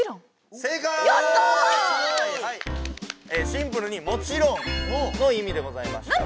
シンプルに「もちろん」のいみでございました。